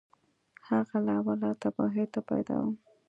هغه له اوله تباهیو ته پیدا و